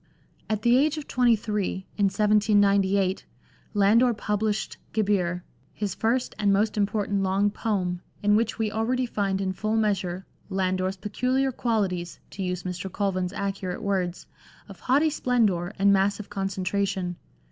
At the age of twenty three (in 1798) Landor published Gebir^ his first and most important long poem, in which we already find in full measure " Lander's peculiar qualities," to use Mr. Colvin's accurate words, " of haughty splendour and massive concentration."